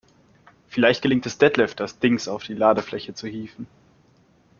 Vielleicht gelingt es Detlef, das Dings auf die Ladefläche zu hieven.